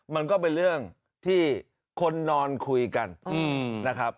มันก็เป็นเรื่องที่คนนอนคุยกันนะครับ